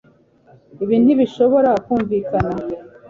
Ibi ntibishobora kumvikana